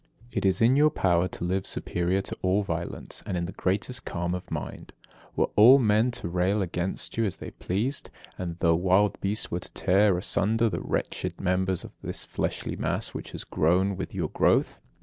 68. It is in your power to live superior to all violence, and in the greatest calm of mind, were all men to rail against you as they pleased; and though wild beasts were to tear asunder the wretched members of this fleshly mass which has grown with your growth.